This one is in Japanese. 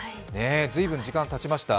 ずいぶん時間がたちました。